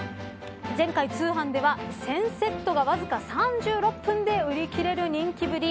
前回通販では１０００セットがわずか３６分で売り切れる人気ぶり。